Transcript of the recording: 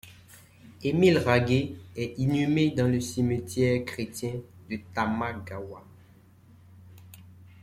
Émile Raguet est inhumé dans le cimetière chrétien de Tama-gawa.